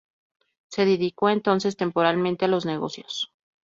Se dedicó entonces temporalmente a los negocios.